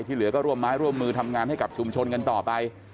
เหลือก็ร่วมไม้ร่วมมือทำงานให้กับชุมชนกันต่อไป